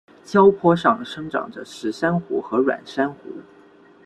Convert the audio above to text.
礁坡上生长着石珊瑚和软珊瑚。